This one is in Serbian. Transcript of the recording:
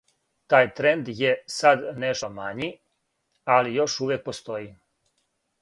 Тај тренд је сад нешто мањи, али још увијек постоји.